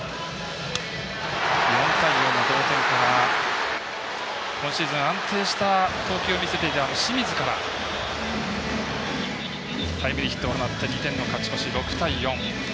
４対４の同点から今シーズン安定した投球を見せている清水からタイムリーヒットを放って２点を勝ち越し、６対４。